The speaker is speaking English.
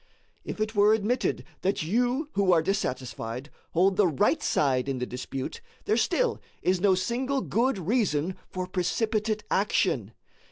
If it were admitted that you who are dissatisfied hold the right side in the dispute, there still is no single good reason for precipitate action.